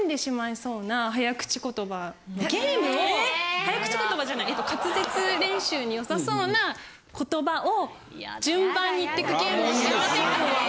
早口言葉じゃない滑舌練習によさそうな言葉を順番に言っていくゲームをしませんか。